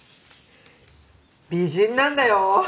美人なんだよ